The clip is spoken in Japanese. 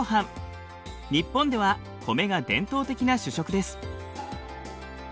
日本では米が伝統的な主食です。